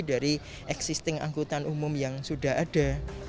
dari existing angkutan umum yang sudah ada